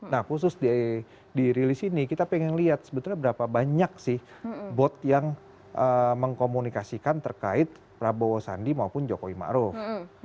nah khusus dirilis ini kita pengen lihat sebetulnya berapa banyak sih bot yang mengkomunikasikan terkait prabowo sandi maupun jokowi ⁇ maruf ⁇